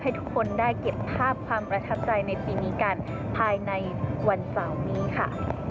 ให้ทุกคนได้เก็บภาพความประทับใจในปีนี้กันภายในวันเสาร์นี้ค่ะ